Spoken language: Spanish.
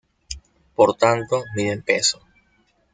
Por tanto, miden peso.